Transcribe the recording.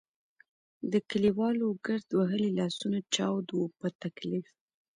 د کلیوالو ګرد وهلي لاسونه چاود وو په تکلیف.